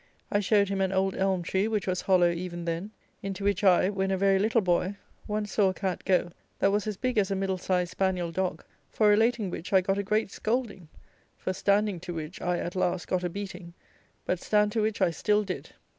I showed him an old elm tree, which was hollow even then, into which I, when a very little boy, once saw a cat go, that was as big as a middle sized spaniel dog, for relating which I got a great scolding, for standing to which I, at last, got a beating; but stand to which I still did.